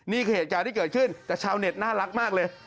นี่คือเหตุการณ์ที่เกิดขึ้นแต่ชาวเน็ตน่ารักมากเลย